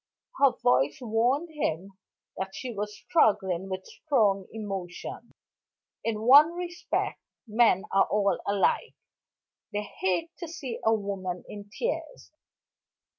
Her voice warned him that she was struggling with strong emotion. In one respect, men are all alike; they hate to see a woman in tears.